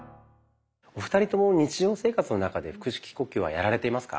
２人とも日常生活の中で腹式呼吸はやられていますか？